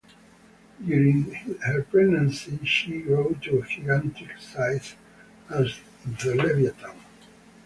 During her pregnancy she grew to gigantic size as the Leviathan.